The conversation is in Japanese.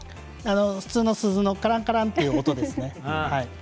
普通の鈴のカラン、カランという音ですね、鈍めの。